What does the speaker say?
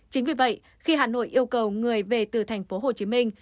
chính vì vậy khi hà nội yêu cầu người về từ thành phố hồ chí minh